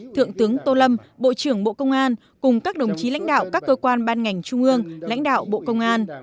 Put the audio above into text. thượng tướng tô lâm bộ trưởng bộ công an cùng các đồng chí lãnh đạo các cơ quan ban ngành trung ương lãnh đạo bộ công an